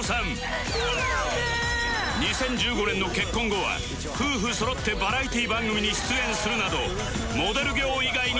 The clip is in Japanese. ２０１５年の結婚後は夫婦そろってバラエティー番組に出演するなどモデル業以外にも大活躍